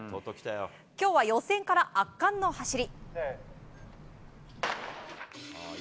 今日は予選から圧巻の走り。